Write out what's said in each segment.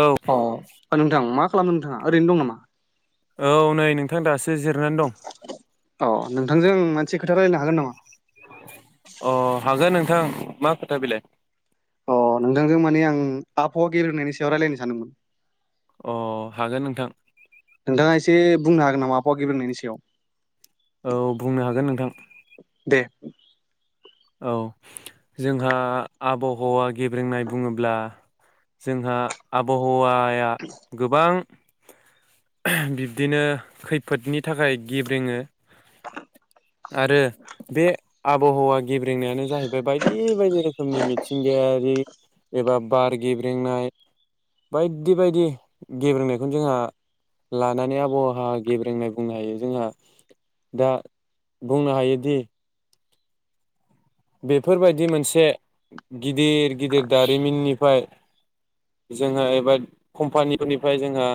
औ अ नोंथां मा खालामदों नोंथाङा ओरैनो दं नामा औ नै नोंथां दासो सजिरनानै दं [unintelligible] अ नोंथांजों आं मोनसे खोथा रायनो हागोन नामा अ' हागोन नोंथां मा खोथा बेलाय अ नोंथांजों माने आं आबहावा गेलेनायनि सायाव रायलायनो सानदोंमोन अ' हागोन नोंथां ए बुंनो हागोन नामा गिबेंनायनि सायाव औ बुंनो हागोन नोंथां दे औ जोंहा आबहावा गेब्रेंनाय बुङोब्ला जोंहा आबहावा आया गोबां बिब्दिनो खैफोदनि थाखाय गेब्रेङो आरो बे आबहावा- गेब्रेंनायानो जाहैबाय बायदि बायदि रोखोमनि मिथिंगायारि एबा बार गेब्रेंनाय बायदि बायदि गेब्रेंनायखौनो जोंहा लानानै आबहावा गेब्रेंनाय बुंनो हायो जोंहा दा बुंनो हायोदि- बेफोरबायदि मोनसे गिदिर गिदिर दारिमिननिफ्राय जोंहा एबा कम्पानिफोरनिफ्राय जोंहा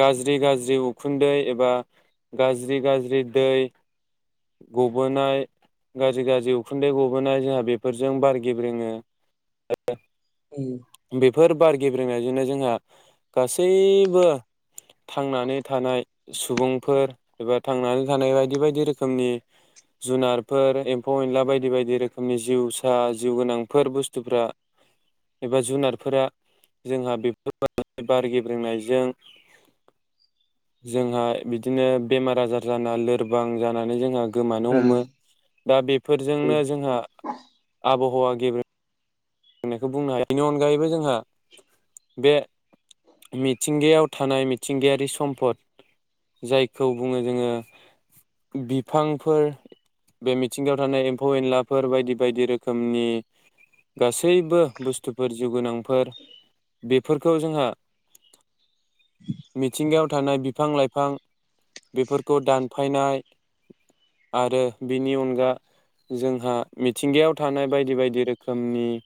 गाज्रि गाज्रि उखुन्दै एबा गाज्रि गाज्रि दै गबोनाय । गाज्रि गाज्रि उखुन्दै गबोनाय जोंहा बेफोरजों बार गेब्रोङो। उम बेफोर बार गेब्रेनायजोंनो जोंहा गासैबो थांनानै थानाय सुबुंफोर एबा थांनानै थानाय बायदि बायदि रोखोमनि जुनारफोर एम्फौ एनला बायदि बायदि रोखोमनि जिउसा जिउ गोनांफोर बुस्थुफ्रा एबा जुनारफोरा जोंहा बेफोर बार गेब्रोंनायजों जोंहा बिदिनो बेमार आजार जाना लोरबां जानानै जोंहा गोमानो उम हमो, दा बेफोरजोंनो जोंहा आबहावा जेबो [unintelligible] होननायखौ बुंनो हायो, बेनि अनगायैबो जोंहा बे मिथिंगायाव थानाय मिथिंगायारि सम्पद जायखौ बुङो जोङो बिफांफोर बे मिथिंगायाव थानाय एम्फौ एनलाफोर बायदि बायदि रोखोमनि। गासैबो बुस्थुफोर जिउगोनांफोर बेफोरखौ जोंहा मिथिंगायाव थानाय बिफां लाइफां बेफोरखौ दानफायनाय आरो बिनि अनगा जोंहा मिथिंगायाव थानाय बायदि बायदि रोखोम खोमनि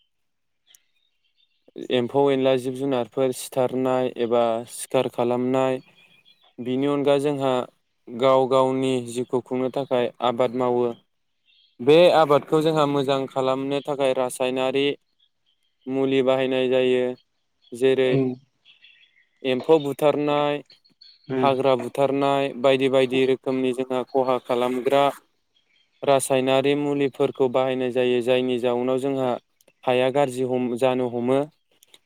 एम्फौ एनला जिब जुनारफोर सिथारनाय एबा सिखार खालामनाय बिनि अनगा जोंहा गाव गावनि जिउखौ खुंनो थाखाय आबाद मावो बे आबादखौ जोंहा मोजां खालामनो थाखाय रास सायनारि मुलि बाहायनाय जायो । जेरै उम एम्फौ बुथारनाय, उम हाग्रा बुथारनाय बायदि बायदि रोखोमनि जोंहा खहा खालामग्रा रासायनारि मुलिफोरखौ बाहायनाय जायो जायनि जाउनाव जोंहा हाया गाज्रि जानो हमो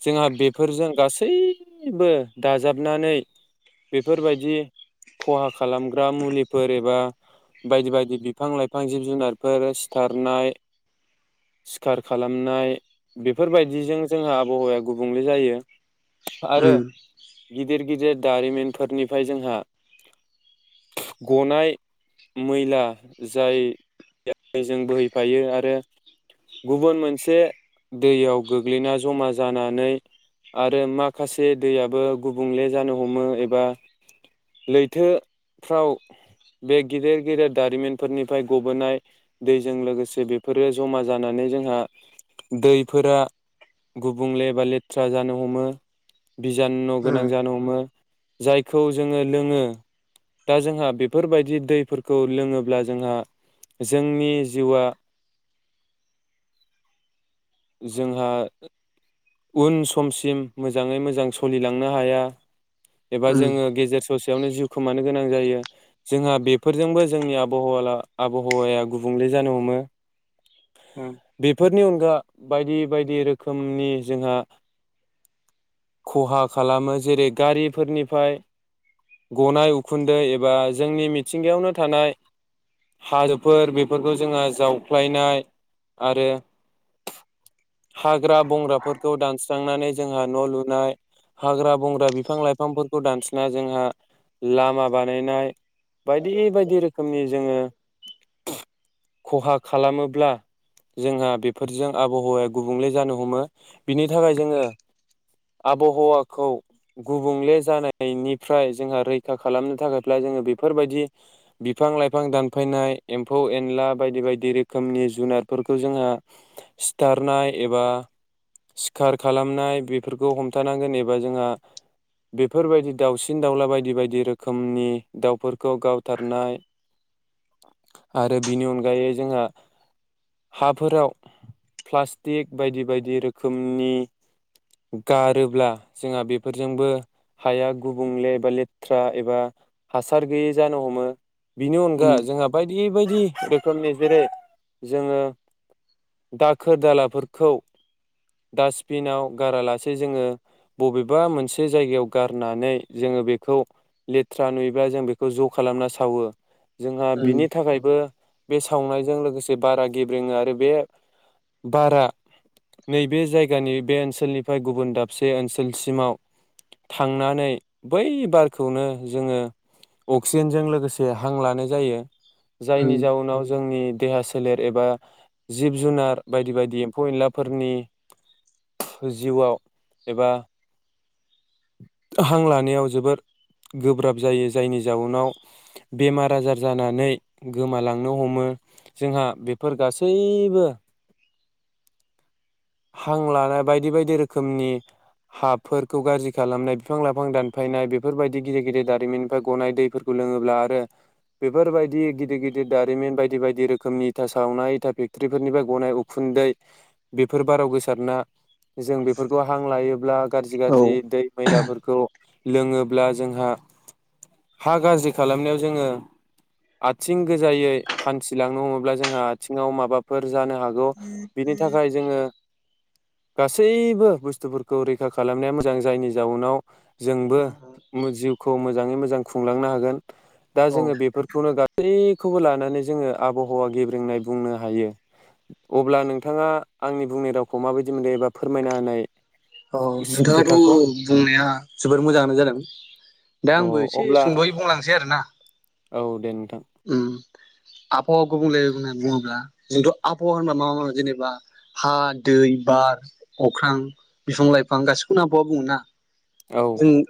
जोंहा बेफोरजों गासैबो दाजाबनानै बेफोरबायदि खहा खालामग्रा मुलिफोर एबा बायदि बायदि बिफां लाइफां जिब जुनारफोर सिथारनाय सिखार खालामनाय बेफोरबायदिजों जोंहा आबहावाया गुबुंले जायो। आरो उम बिद गिदिर गिदिर दारिमिनफोरनिफ्राय जोंहा गनाय मैला जायजों बोहैफायो आरो गुबुन मोनसे दैयाव गोग्लैना जमा जानानै आरो माखासे दैयाबो गुबुंले जानो हमो एबा लैथोफ्राव बे गिदेर गिदेर दारिमिनफोरनिफ्राय गबोनाय दैजों लोगोसे बेफोरो जमा जानानै जोंहा दैफोरा गुबुंले बा लेथ्रा जानो हमो। बिजाननु गोनां उम जानो हमो। जायखौ जोङो लोङो दा जोंहा बेफोरबायदि दैफोरखौ लोङोब्ला जोंहा जोंनि जिउआ जोंहा उन समसिम मोजाङै मोजां सलिलांनो हाया एबा उम जोङो गेजेर ससेयावनो जिउ खोमानो गोनां जायो। जोंहा बेफोरजोंबो जोंनि आबहावाला आबहावाया गुबुंले जानो हमो बेफोरनि अनगा बायदि बायदि रोखोमनि जोंहा खहा खालामो जेरै गारिफोरनिफ्राय गनाय उखुन्दै एबा जोंनि मिथिंगायावनो थानाय हाजोफोर बेफोरखौ जोंहा जावफ्लायनाय आरो हाग्रा बंग्राफोर खौ दानस्रांनानै जोंहा न' लुनाय हाग्रा बंग्रा बिफां लाइफांफोरखौ दानस्रिना जोंहा लामा बानायनाय बायदि बायदि रोखोमनि जोङो खहा खालामोब्ला जोंहा बेफोरजों आबहावाया गुबुंले जानो हमो। बिनि थाखाय जोङो आबहावाखौ गुबुंले जानायनिफ्राय जोंहा रैखा खालामनो थाखायब्ला जोङो बेफोरबायदि बिफां लाइफां दानफायनाय एम्फौ एनला बायदि बायदि रोखोमनि जुनारफोरखौ जोंहा सिथारनाय एबा सिखार खालामनाय बेफोरखौ हमथानांगोन एबा जोंहा बेफोरबायदि दाावसिन दाउला बायदि बायदि रोखोमनि दाउफोरखौ गावथारनाय आरो बिनि अनगायै जोंहा हाफोराव प्लास्टिक बायदि बायदि रोख रोखोमनि गारोब्ला जोंहा बेफोरजोंबो हाया गुबुंले एबा लेथ्रा एबा हासार गैयै जानो हमो। बिनि अनगा उम जोंहा बायदि बायदि बेखौ निजेरै जोङो दाखोर दालाफोरखौ डास्टबिनाव गारालासे जोङो बबेबा मोनसे जायगायाव गारनानै जोङो बेखौ लेथ्रा नुयोबा जों बेखौ ज' खालामना सावो जोंहा उम बिनि थाखायबो बे सावनायजों लोगोसे बारा गेब्रेङो आरो बे बारा नैबे जायगानि बे ओनसोलनिफ्राय गुबुन दाबसे ओनसोलसिमाव थांनानै बै बारखौनो जोङो अक्सिजेनजों लोगोसे हां लानाय जायो। जायनि उम जाउनाव जोंनि देहा सोलेर एबा जिब जुनार बायदि बायदि एम्फौ एनलाफोरनि जिउआव एबा हां लानायाव जोबोद गोब्राब जायो जायनि जाउनाव बेमार आजार जानानै गोमालांनो हमो जोंहा बेफोर गासैबो हां लानाय बायदि बायदि रोखोमनि हाफोरखौ गाज्रि खालामनाय बिफां लाइफां दानफायनाय बेफोरबायदि गिदिर गिदिर दारिमिननिफ्राय गनाय दैफोरखौ लोङोब्ला आरो बेफोरबायदि गिदिर गिदिर दारिमिन बायदि बायदि रोखोमनि इथा सावनाय इथा फेक्ट्रिफोरनिफ्राय गनाय उखुन्दै बे बेफोर बाराव गोसारना जों बेफोरखौ हां लायोब्ला गाज्रि औ गाज्रि दै मैलाफोर खौ लोङोब्ला जोंहा हा गाज्रि खालामनायाव जोङो आथिं गोजायै हान्थिलांनो हमोब्ला जोंहा आथिङाव माबाफोर जानो हागौ बिनि थाखाय जोङो गासैबो बुस्थुफोरखौ रैखा खालामनाया मोजां जायनि जाउनाव जोंबो मो जिउखौ मो मोजाङै मोजां खुंलांनो हागोन। दा औ जोङो बेफोरखौनो गा खौबो लानानै जोङो आबहावा गेब्रेंनाय बुंनो हायो अब्ला नोंथाङा आंनि बुंनाय रावखौ माबायदि मोनदों एबा फोरमायना होनाय औ खोथाखौ नोंथाङाथ' बुंनाया जोबोर मोजाङानो जादों दा अ आंबो एसे अब्ला सुंद'यै बुंलांसै आरोना। औ दे नोंथां। उम आबहावा गुबुंले बुंनानै बुङोब्ला जोंथ' आबहावा होनबा माबा जेनेबा हा, दै, बार, अख्रां बिफां लाइफां गाैसैखौनो आबहावा बुङोना? औ ओम ।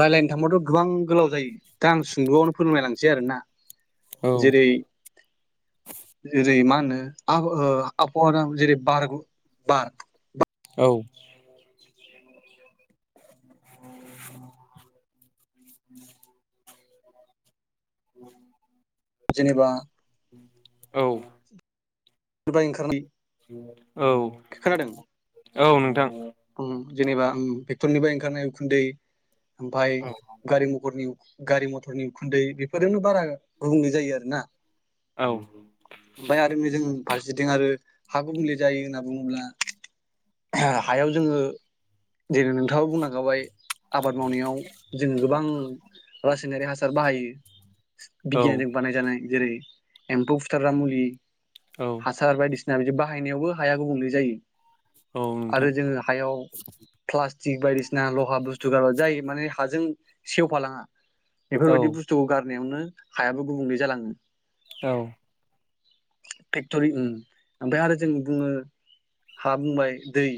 रायलायनो थांबाथ' गोबां गोलाव जायो दा आं सुंद'आवनो फोरोंमलायलांसै आरोना । औ जेरै जेरै मा होनो [unintelligible] जेरै बारग' बार औ । [inaudible] [inaudible] जेनेबा औ । [unintelligible] औ । औ नोंथां । ओम जेनेबा [unintelligible] ओंखारनाय उखुन्दै ओमफाय गारि [unintelligible] गारि मथरनि उखुन्दै बेफोरजोंनो बारा गुबुंले जायो आरो ना । औ ओमफाय आरो [unintelligible] [unintelligible] आरो हा गुबुंले जायो ओनना बुङोब्ला हायाव जोङो जेरै नोंथाङाबो बुंलांखाबाय आबाद मावनायाव जोङो गोबां रासायनारि हासार बाहायो औ बिगियानजों बानायजानाय जेरै एम्फौ फुथारग्रा मुलि । औ हासार बायदिसि [unintelligible] बिदि बाहायनायावबो हाया गुबुंले जायो । आरो नोंथां जोङो हायाव प्लास टिक बायदिसिना लहा बुस्थु [unintelligible] जायो माने हाजों सेवफालाङा । औ बेफोरबायदि बुस्थुखौ गार नायावनो हायाबो गुबुंले जालाङो । औ । फेक्टरि ओम ओमफाय आरो जों बुङो हा बुंबाय दै ।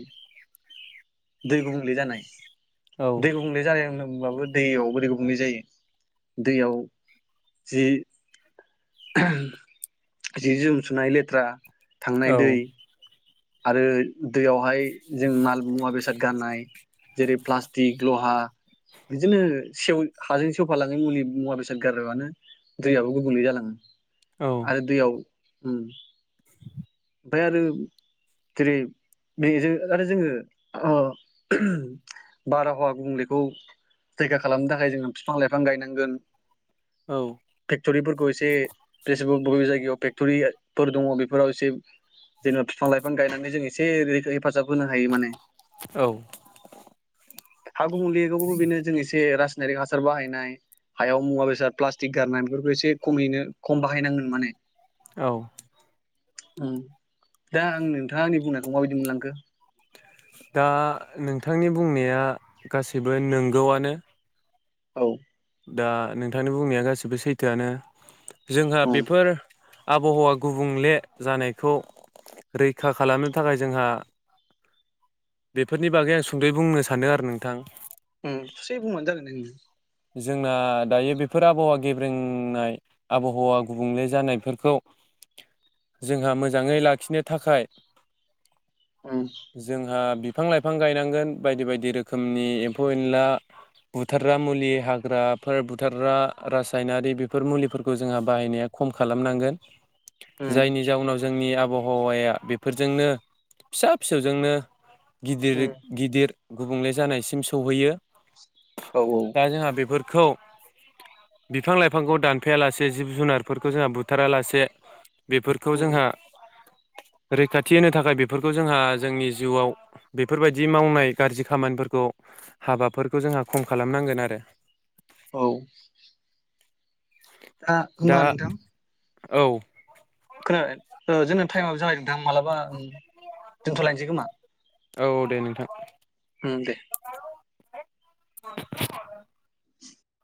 दै गुबुंले जानाय । दै गुबुंले जानाय होनदों । [unintelligible] दैयाव बोरै गुबुंले जायो दैयाव जि [unintelligible] जि जोम सुनाय लेथ्रा थांनाय औ दै । आरो दैयावहाय जों माल मुवा बेसाद गारनाय जेरै प्लास्टिक लहा बिदिनो सेव हाजों सेवफालाङै मुलि मुवा बेसाद गारबानो दैयाबो गुबुंले जालाङो । आरो दैआव उम ओमफ्राय आरो जेरै बेजों आरो जोङो ओ बारहावा गुबुंलेखौ रैखा खालामनो थाखाय जोङो फिफां लाइफां गायनांगोन। औ फेक्टरिफोरखौ एसे [unintelligible] जायगायाव फेक्ट'रिफोर दङ बेफोराव एसे जेनेबा फि फां लाइफां गायनानै जों एसे हेफाजाब होनो हायो माने। हा गुबुंलेखौबो बेनो जों एसे रा नारिक हासार बाहायनाय हायाव मुवा बेसाद प्लास्टिक गारनाय बेफोरखौ एसे खमैनो खम बाहायनांगोन माने । औ उम दा आं नोंथांङा आंनि बुंनायखौ माबायदि मोनलांखो? दा नोंथांनि बुंनाया गासैबो नोंगौआनो। औ दा नोंथांनि बुंनाया गासिबो सैथोआनो। जोंहा औ बेफोर आबहावा गुबुंले जानायखौ रैखा खालामनो थाखाय जोंहा बेफोरनि बागै आं सुद'यै बुंनो सानो आरो नोंथां उम ससे बुंबानो जागोन दे नोंङो जोंना दायो बेफोर आबहावा गेब्रेंनाय आबहावा गुबुंले जानायफोरखौ जोंहा मोजांङै लाखिनो थाखाय उम जोंहा बि फां लाइफां गायनांगोन बायदि बायदि रोखोमनि एम्फौ एनला बुथारग्रा मुलि हाग्राफोर बुथारग्रा रासायनारि बेफोर मुलिफोरखौ जोंहा बाहायनाया खम खालामनांगोन । उम जायनि जाउनाव जोंनि आबहा हावाया बेफोरजोंनो फिसा फिसौजोंनो गिदिर उम गिदिर गुबुंले जानायसिम सौहैयो । औ औ बेफोरखौ बिफां लाइफांखौ दानफाया लासे जिब जुनारफोरखौ जोंहा बुथारा लासे बेफोरखौ उम जोंहा रैखाथि होनो थाखाय बेफोरखौ जोंहा जोंनि जिउआव बेफोरबायदि मावनाय गारजि खामानिफोरखौ हाबाफोरखौ जोंहा खम खालामनांगोन आरो औ आ दा होमबा नोंथां औ खोनाबाय जोंना टाइमाबो जाबाय नोंथां मालाबा उम दोनथ'लायनोसै खोमा। औ दे नोंथां उम दे [unintelligible]